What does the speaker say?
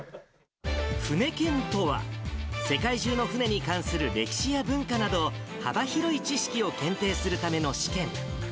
ふね検とは、世界中の船に関する歴史や文化など幅広い知識を検定するための試験。